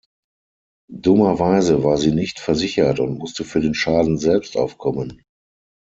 Dummerweise war sie nicht versichert und musste für den Schaden selbst aufkommen.